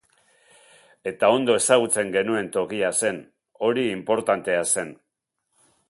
Eta ondo ezagutzen genuen tokia zen, hori inportantea zen.